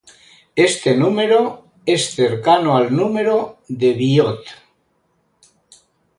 Este número es cercano al número de Biot.